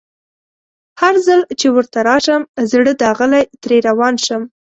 هرځل چي ورته راشم زړه داغلی ترې روان شم